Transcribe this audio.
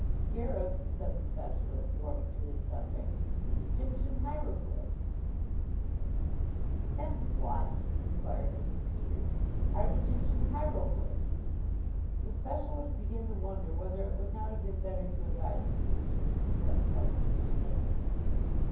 "Scarabs," said the specialist, warming to his subject, "the Egyptian hieroglyphs." "And what," inquired Mr. Peters, "are Egyptian hieroglyphs?" The specialist began to wonder whether it would not have been better to advise Mr. Peters to collect postage stamps.